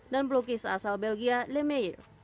dan pelukis asal belgia le maire